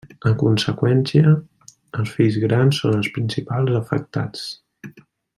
A conseqüència, els fills grans són els principals afectats.